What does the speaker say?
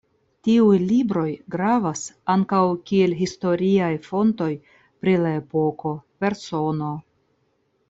Tiuj libroj gravas ankaŭ kiel historiaj fontoj pri la epoko, persono.